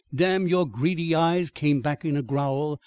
"Damn your greedy eyes!" came back in a growl.